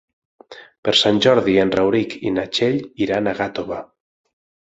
Per Sant Jordi en Rauric i na Txell iran a Gàtova.